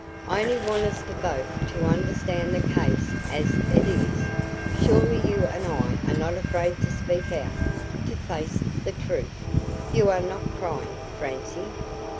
I only want us both to understand the case as it is; surely you and I are not afraid to speak out to face the truth? You are not crying, Francie?"